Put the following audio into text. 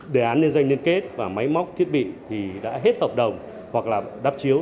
đề án liên doanh liên kết và máy móc thiết bị thì đã hết hợp đồng hoặc là đắp chiếu